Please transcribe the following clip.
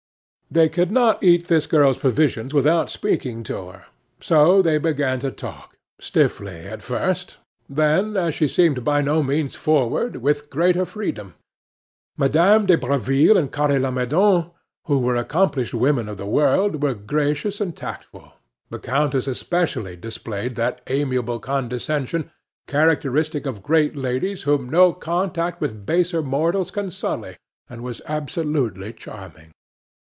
They could not eat this girl's provisions without speaking to her. So they began to talk, stiffly at first; then, as she seemed by no means forward, with greater freedom. Mesdames de Breville and Carre Lamadon, who were accomplished women of the world, were gracious and tactful. The countess especially displayed that amiable condescension characteristic of great ladies whom no contact with baser mortals can sully, and was absolutely charming.